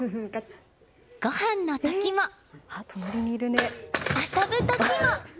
ご飯の時も、遊ぶ時も。